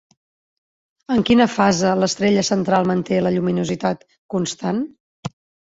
En quina fase l'estrella central manté la lluminositat constant?